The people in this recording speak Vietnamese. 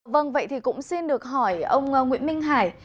vâng vậy thì cũng xin được hỏi ông nguyễn minh hải